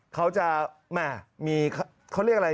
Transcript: เค้าจะมีเค้าเรียกอะไร